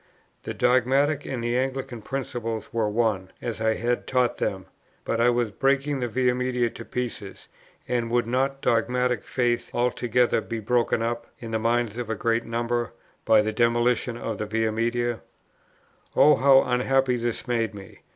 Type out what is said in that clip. The dogmatic and the Anglican principle were one, as I had taught them; but I was breaking the Via Media to pieces, and would not dogmatic faith altogether be broken up, in the minds of a great number, by the demolition of the Via Media? Oh! how unhappy this made me!